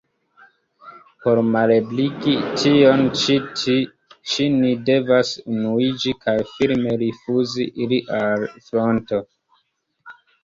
Por malebligi tion ĉi, ni devas unuiĝi kaj firme rifuzi iri al fronto.